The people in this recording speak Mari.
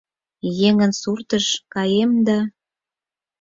Еҥын суртыш каем да